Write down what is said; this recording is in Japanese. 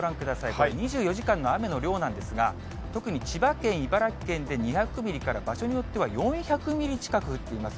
これ、２４時間の雨の量なんですが、特に千葉県、茨城県で２００ミリから、場所によっては４００ミリ近く降っています。